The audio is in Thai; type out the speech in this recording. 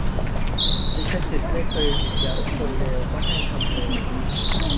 ลิขสิทธิ์ไม่เคยหยุดยั้งคนเลวไม่ให้ทำเลว